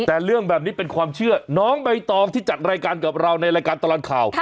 แต่เรื่องแบบนี้เป็นความเชื่อน้องใบตองที่จัดรายการกับเราในรายการตลอดข่าว